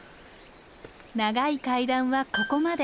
長い階段はここまで。